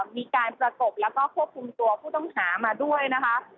มีการประกบแล้วก็ควบคุมตัวผู้ต้องหามาด้วยนะคะ